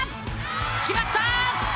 決まった。